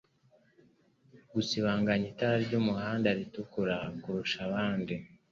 gusibanganya itara ryumuhanda ritukura kurusha abandi